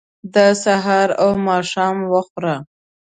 دا سهار او ماښام وخوره.